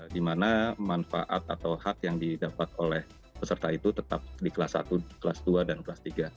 di mana manfaat atau hak yang didapat oleh peserta itu tetap di kelas satu kelas dua dan kelas tiga